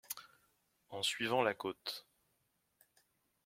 En suivant la côte —